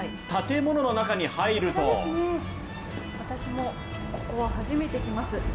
建物の中に入ると私もここは初めて来ます。